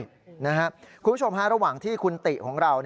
คุณผู้ชมฮะระหว่างที่คุณติของเรา